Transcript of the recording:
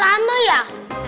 ambulannya lama ya